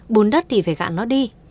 bùn đất thì phải gạn nó đi